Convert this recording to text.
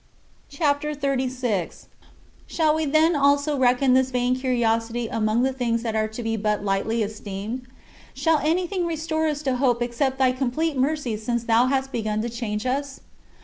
CHAPTER XXXVI 58. Shall we, then, also reckon this vain curiosity among the things that are to be but lightly esteemed? Shall anything restore us to hope except thy complete mercy since thou hast begun to change us?